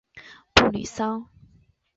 布吕桑。